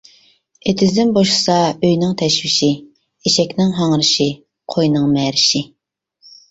ئېتىزدىن بوشىسا ئۆينىڭ تەشۋىشى، ئېشەكنىڭ ھاڭرىشى، قوينىڭ مەرىشى.